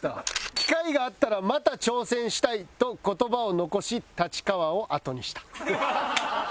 「機会があったらまた挑戦したいと言葉を残し立川を後にした」